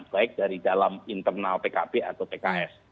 baik dari dalam internal pkb atau pks